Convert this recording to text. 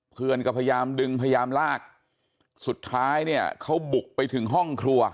เพื่อนก็พยายามดึงพยายามลากสุดท้ายเนี่ยเขาบุกไปถึงห้องครัว